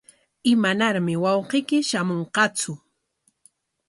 ¿Imanarmi wawqiyki shamunqatsu?